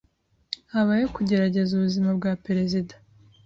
Habayeho kugerageza ubuzima bwa perezida.